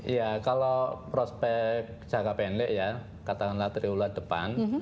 ya kalau prospek jangka pendek ya katakanlah triwulan depan